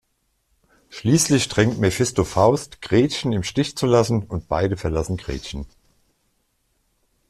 Schließlich drängt Mephisto Faust, Gretchen im Stich zu lassen, und beide verlassen Gretchen.